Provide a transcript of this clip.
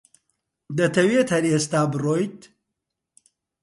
دەتەوێت هەر ئێستا بڕۆیت؟